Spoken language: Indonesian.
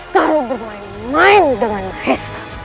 kau bermain main dengan mahesha